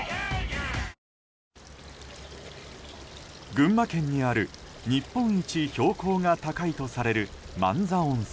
群馬県にある日本一標高が高いとされる万座温泉。